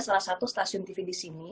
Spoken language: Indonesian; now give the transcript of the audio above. salah satu stasiun tv di sini